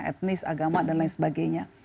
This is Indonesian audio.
etnis agama dan lain sebagainya